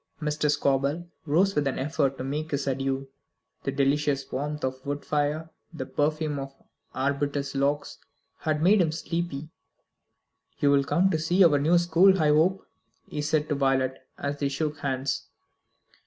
Mr. Scobel rose with an effort to make his adieux. The delicious warmth of the wood fire, the perfume of arbutus logs, had made him sleepy. "You'll come and see our new school, I hope," he said to Violet, as they shook hands.